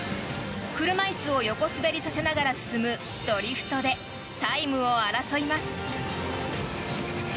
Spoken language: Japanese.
車椅子を横滑りさせながら進むドリフトでタイムを争います。